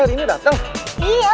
yaudah gue doyan ya